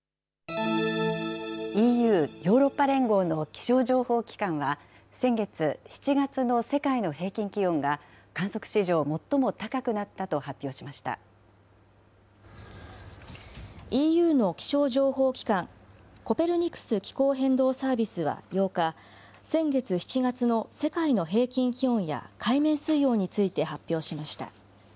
ＥＵ・ヨーロッパ連合の気象情報機関は、先月・７月の世界の平均気温が観測史上最も高くなったと発表しまＥＵの気象情報機関、コペルニクス気候変動サービスは８日、先月・７月の世界の平均気温や海面水温について発表しました。